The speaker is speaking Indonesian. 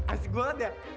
asik banget ya